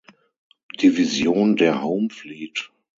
Division der Home Fleet.